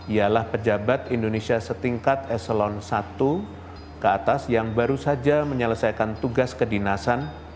ialah pejabat indonesia setingkat eselon i ke atas yang baru saja menyelesaikan tugas kedinasan